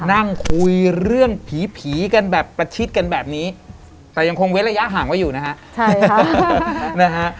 นั่งคุยเรื่องผีผีกันแบบประชิดกันแบบนี้แต่ยังคงเว้นระยะห่างไว้อยู่นะฮะใช่ค่ะนะฮะ